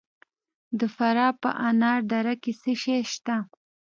د فراه په انار دره کې څه شی شته؟